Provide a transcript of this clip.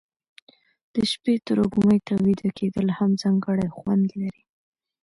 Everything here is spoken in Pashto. د شپې تروږمي ته ویده کېدل هم ځانګړی خوند لري.